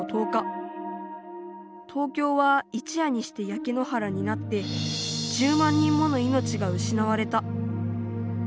東京は一夜にしてやけ野原になって１０万人もの命がうしなわれた。